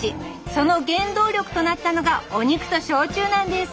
その原動力となったのがお肉と焼酎なんです！